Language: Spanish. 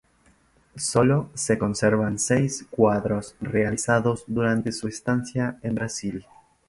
Sólo se conservan seis cuadros realizados durante su estancia en Brasil.